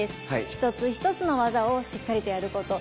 一つ一つの技をしっかりとやること。